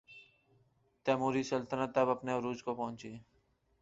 تیموری سلطنت تب اپنے عروج کو پہنچی۔